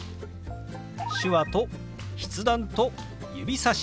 手話と筆談と指さし。